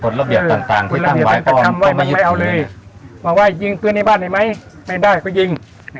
กดระเบียบต่างต่างที่ตั้งไว้ก็ไม่ยึดมีว่าว่ายิงปืนในบ้านเห็นไหมไม่ได้ก็ยิง